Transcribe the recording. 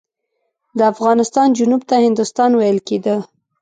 د افغانستان جنوب ته هندوستان ویل کېده.